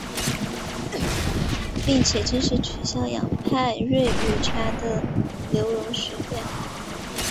并且正式取消氟派瑞于茶的留容许量。